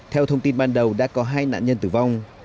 theo thông tin ban đầu đã có hai nạn nhân tử vong